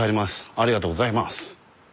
ありがとうございます。